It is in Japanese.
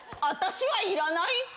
私はいらない。